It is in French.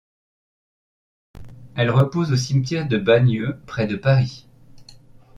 Elle repose au cimetière de Bagneux, près de Paris.